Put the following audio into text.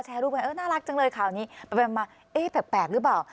แชร์รูปน่ารักจังเลยข่าวนี้แปลกหรือเปล่า